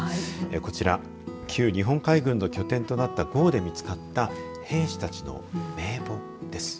こちら旧日本海軍の拠点となったごうで見つかった兵士たちの名簿です。